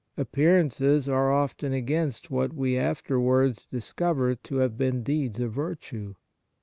Appearances are often against what we afterwards discover to have been deeds of virtue.